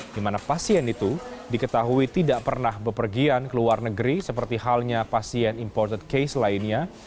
di mana pasien itu diketahui tidak pernah berpergian ke luar negeri seperti halnya pasien imported case lainnya